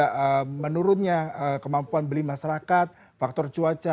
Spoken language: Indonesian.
ada menurunnya kemampuan beli masyarakat faktor cuaca